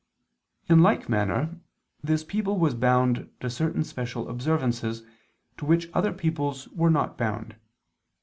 In like manner this people was bound to certain special observances, to which other peoples were not bound.